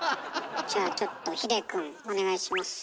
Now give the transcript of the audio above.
じゃあちょっと秀くんお願いします。